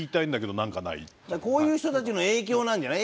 こういう人たちの影響なんじゃない？